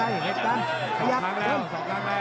กาดเกมสีแดงเดินแบ่งมูธรุด้วย